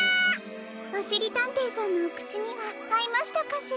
おしりたんていさんのおくちにはあいましたかしら？